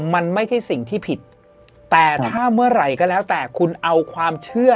มันไม่ใช่สิ่งที่ผิดแต่ถ้าเมื่อไหร่ก็แล้วแต่คุณเอาความเชื่อ